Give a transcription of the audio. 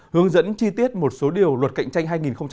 hướng dẫn chi tiết một số điều luật cạnh tranh hai nghìn một mươi tám